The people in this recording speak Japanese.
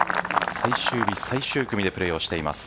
最終日最終組でプレーをしています。